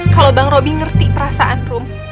kalau bang robby mengerti perasaan rom